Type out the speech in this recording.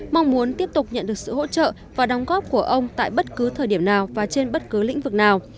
mong muốn tiếp tục nhận được sự hỗ trợ và đóng góp của ông tại bất cứ thời điểm nào và trên bất cứ lĩnh vực nào